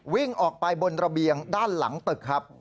วิ่งออกไปบนระเบียงด้านหลังตึกครับ